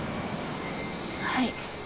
はい。